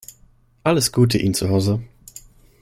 Alles gute Ihnen zu Hause.